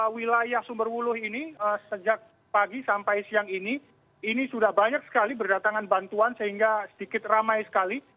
wilayah sumberwuluh ini sejak pagi sampai siang ini ini sudah banyak sekali berdatangan bantuan sehingga sedikit ramai sekali